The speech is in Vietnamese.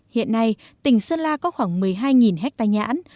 hiện nay tỉnh sơn la có khoảng một mươi hai hectare nhãn